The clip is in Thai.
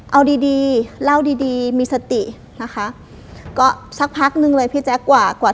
เอาดีดีเล่าดีดีมีสตินะคะก็สักพักนึงเลยพี่แจ๊คกว่ากว่า